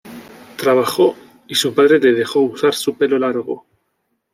Trabajó, y su padre le dejó usar su pelo largo.